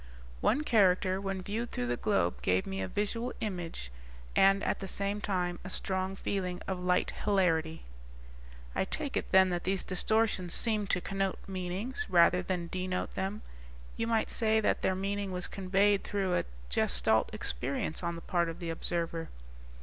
"One character when viewed through the globe gave me a visual image and, at the same time, a strong feeling of light hilarity." "I take it then that these distortions seemed to connote meanings, rather than denote them. You might say that their meaning was conveyed through a Gestalt experience on the part of the observer."